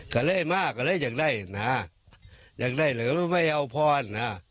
กำลัยมากกำลัยอยากได้นะอยากได้เหลือไม่เอาพ่ออันนะ